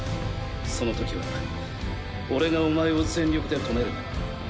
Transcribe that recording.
そのときは俺がお前を全力で止める。